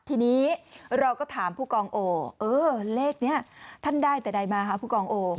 ทีนี้เราก็ถามผู้กองโอเออเลขนี้ท่านได้แต่ใดมาคะผู้กองโอ